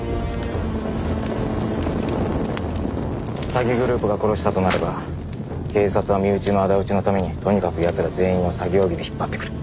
詐欺グループが殺したとなれば警察は身内のあだ討ちのためにとにかく奴ら全員を詐欺容疑で引っ張ってくる。